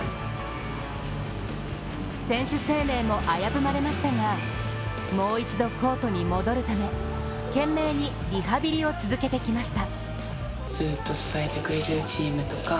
選手生命も危ぶまれましたがもう一度コートに戻るため懸命にリハビリを続けてきました。